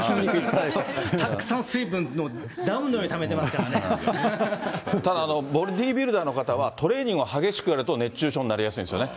たくさん水分をダムのようにためただ、ボディービルダーの方はトレーニングを激しくやると、熱中症になりやすいんですよね。